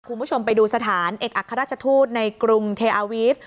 คุณผู้ชมไปดูสถานเอกอัครราชทูตในกรุงเทอาวีฟ